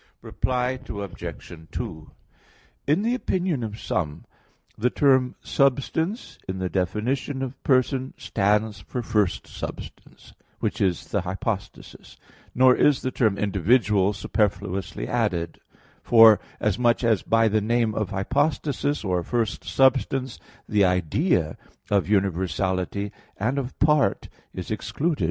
Reply Obj. 2: In the opinion of some, the term "substance" in the definition of person stands for first substance, which is the hypostasis; nor is the term "individual" superfluously added, forasmuch as by the name of hypostasis or first substance the idea of universality and of part is excluded.